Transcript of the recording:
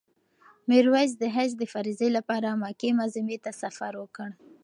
میرویس د حج د فریضې لپاره مکې معظمې ته سفر وکړ.